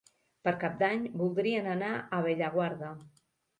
Per Cap d'Any voldrien anar a Bellaguarda.